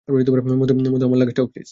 মধু, আমার লাগেজটাও প্লীজ।